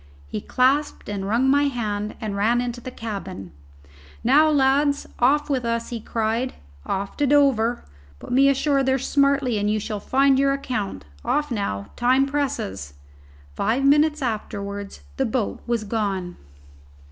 He clasped and wrung my hand and ran into the cabin. "Now, lads, off with us!" he cried. "Off to Dover! Put me ashore there smartly and you shall find your account. Off now time presses." Five minutes afterwards the boat was gone.